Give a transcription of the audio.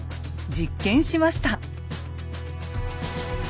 実験しました。